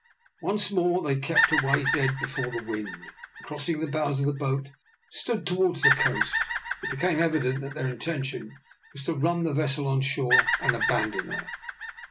Once more they kept away dead before the wind, and, crossing the bows of the boat, stood towards the coast, it became evident that their intention was to run the vessel on shore and abandon her.